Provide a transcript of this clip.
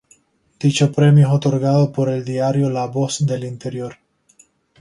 Dicho premio es otorgado por el diario La Voz del Interior.